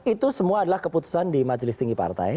itu semua adalah keputusan di majelis tinggi partai